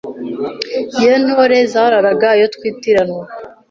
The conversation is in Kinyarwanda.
Ye Ntore zararaga iyo twitiranwa